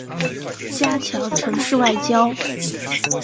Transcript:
加强城市外交